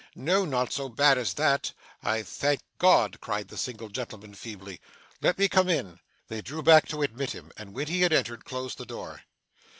'No, not so bad as that.' 'I thank God!' cried the single gentleman feebly. 'Let me come in.' They drew back to admit him, and when he had entered, closed the door.